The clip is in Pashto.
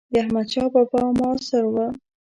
د احمدشاه بابا معاصر و.